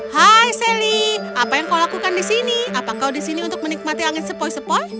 hai sally apa yang kau lakukan di sini apa kau di sini untuk menikmati angin sepoi sepoi